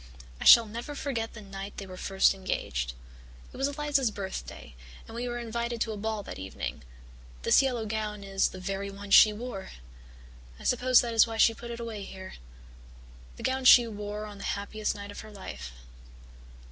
"I shall never forget the night they were first engaged. It was Eliza's birthday, and we were invited to a ball that evening. This yellow gown is the very one she wore. I suppose that is why she put it away here the gown she wore on the happiest night of her life.